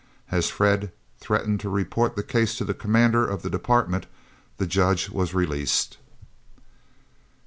As Fred threatened to report the case to the commander of the Department, the Judge was released.